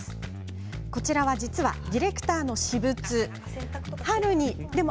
こちら、実はディレクターの私物です。